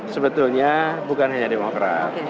sebetulnya bukan hanya demokrat